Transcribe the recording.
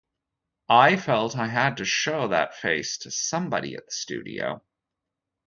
I felt I had to show that face to somebody at the studio.